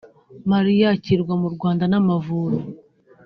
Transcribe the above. Mali yakirwa mu Rwanda n’Amavubi